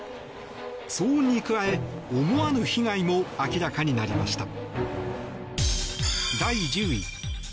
騒音に加え、思わぬ被害も明らかになりました。